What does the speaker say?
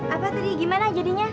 apa tadi gimana jadinya